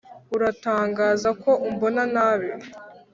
uratangaza ko umbona nabi